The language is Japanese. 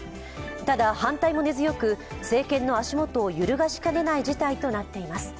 ただ、反対も目強く、政権の足元を揺るがしかねない事態となっています。